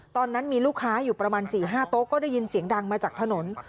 ตอนนั้นมีลูกค้าอยู่ประมาณ๔๕โต๊ะก็ได้ยินเสียงดังมาจากถนน